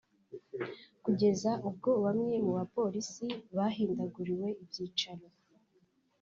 kugeza ubwo bamwe mu bapolisi bahindaguriwe ibyicaro